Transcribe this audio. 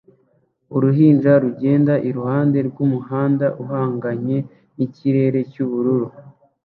Uruhinja rugenda iruhande rwumuhanda uhanganye nikirere cyubururu